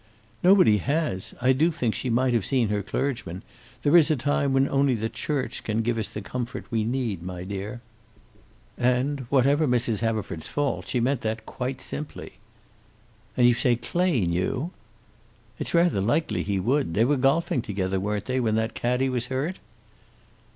"Nobody has. I do think she might have seen her clergyman. There is a time when only the church can give us the comfort we need, my dear." And whatever Mrs. Haverford's faults, she meant that quite simply. "And you say Clay knew?" "It's rather likely he would. They were golfing together, weren't they, when that caddie was hurt?"